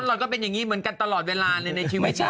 เราก็เป็นอย่างนี้เหมือนกันตลอดเวลาเลยในชีวิตฉัน